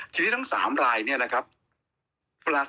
ทีนี้ทั้ง๓ไลน์